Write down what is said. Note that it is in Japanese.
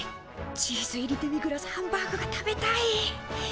チーズ入りデミグラスハンバーグが食べたい！